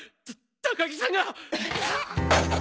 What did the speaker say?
高木さんが！